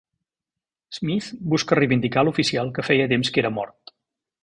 Smith busca reivindicar l'oficial que feia temps que era mort.